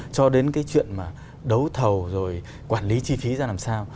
cho đến cái chuyện mà đấu thầu rồi quản lý chi phí ra làm sao